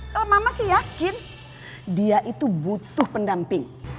kalau mamah sih yakin dia itu butuh penamping